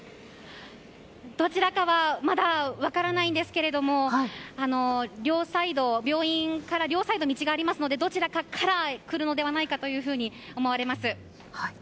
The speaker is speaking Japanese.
どちらかはまだ分からないんですけれども病院から両サイド道がありますのでどちらかから来るのではないかと思われます。